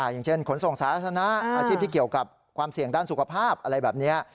อย่างเช่นขนส่งสาธารณะอาชีพที่เกี่ยวกับความเสี่ยงด้านสุขภาพอะไรแบบนี้